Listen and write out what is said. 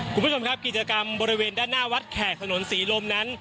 คุณผู้ชมครับกิจกรรมบริเวณด้านหน้าวัดแขกถนนศรีลมนั้น